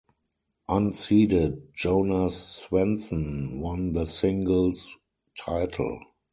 Unseeded Jonas Svensson won the singles title.